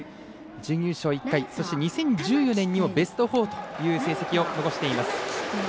準優勝１回、２０１４年にもベスト４の成績を残しています。